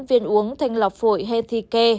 viên uống thanh lọc phổi healthy care